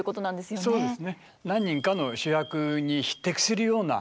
そうですね。